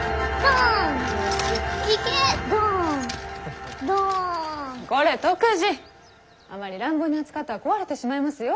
あまり乱暴に扱ったら壊れてしまいますよ。